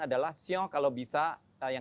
adalah show kalau bisa yang